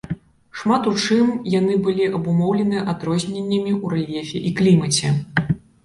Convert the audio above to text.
Шмат у чым яны былі абумоўлены адрозненнямі ў рэльефе і клімаце.